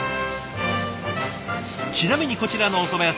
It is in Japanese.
ちなみにこちらのおそば屋さん